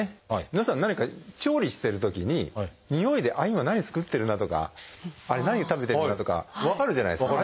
皆さん何か調理してるときににおいで今何作ってるなとかあれ何を食べてるなとか分かるじゃないですか。